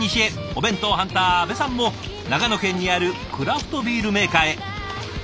お弁当ハンター阿部さんも長野県にあるクラフトビールメーカーへ。